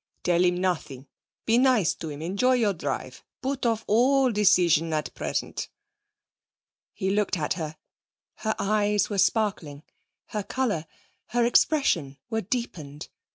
'Tell him nothing. Be nice to him. Enjoy your drive. Put off all decision at present.' He looked at her. Her eyes were sparkling, her colour, her expression were deepened.